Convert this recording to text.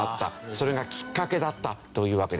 それがきっかけだったというわけです。